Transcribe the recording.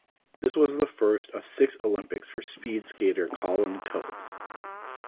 This was the first of six Olympics for speed skater Colin Coates.